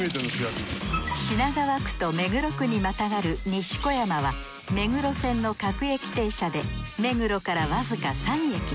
品川区と目黒区にまたがる西小山は目黒線の各駅停車で目黒からわずか３駅。